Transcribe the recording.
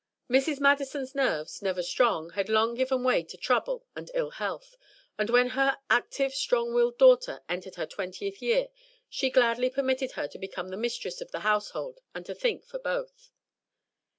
Mrs. Madison's nerves, never strong, had long since given way to trouble and ill health, and when her active strong willed daughter entered her twentieth year, she gladly permitted her to become the mistress of the household and to think for both.